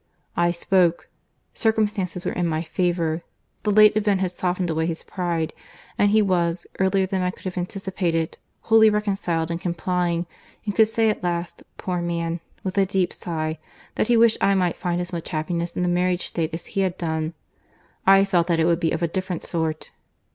—I spoke; circumstances were in my favour; the late event had softened away his pride, and he was, earlier than I could have anticipated, wholly reconciled and complying; and could say at last, poor man! with a deep sigh, that he wished I might find as much happiness in the marriage state as he had done.—I felt that it would be of a different sort.